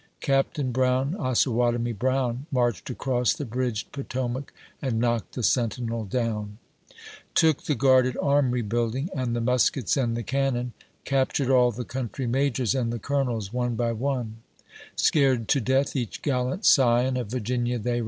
Captain Brown, Osawatomie Brown, t Marched across the bridged Potomac, and knocked the sen tinel down ; Took the guarded armory building, and the muskets and the cannon ; Captured all the country majors and the colonels, one by one ; Scared to death each gallant scion of Virginia they